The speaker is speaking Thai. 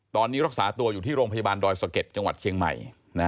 ตอนนี้รักษาตัวอยู่ที่โรงพยาบาลดอยสะเก็ดจังหวัดเชียงใหม่